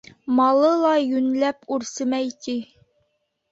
Малы ла йүнләп үрсемәй, ти.